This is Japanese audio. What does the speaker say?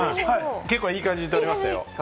結構いい感じに撮れましたよ。